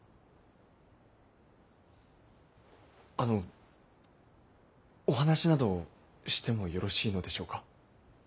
あのお話などしてもよろしいのでしょうか。